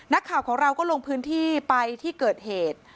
นักข่าวของเราก็ลงพื้นที่ไปที่เกิดเหตุ